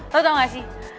lo tau gak sih